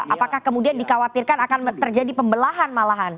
apakah kemudian dikhawatirkan akan terjadi pembelahan malahan